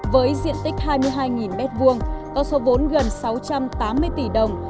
với diện tích hai mươi hai m hai có số vốn gần sáu trăm tám mươi tỷ đồng